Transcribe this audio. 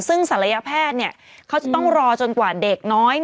ซึ่งศัลยแพทย์เขาจะต้องรอจนกว่าเด็กน้อย